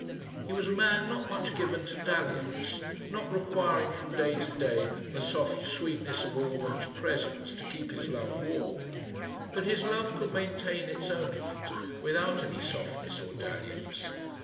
He was a man not much given to dalliance, not requiring from day to day the soft sweetness of a woman's presence to keep his love warm; but his love could maintain its own heat, without any softness or dalliance.